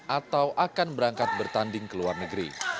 atau akan berangkat bertanding ke luar negeri